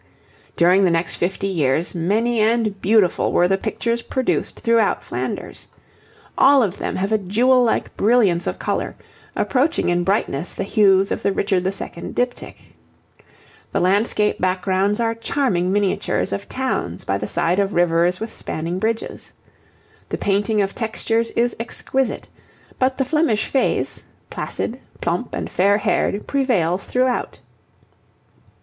During the next fifty years many and beautiful were the pictures produced throughout Flanders. All of them have a jewel like brilliance of colour, approaching in brightness the hues of the Richard II. diptych. The landscape backgrounds are charming miniatures of towns by the side of rivers with spanning bridges. The painting of textures is exquisite. But the Flemish face, placid, plump, and fair haired, prevails throughout.